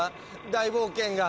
大冒険が！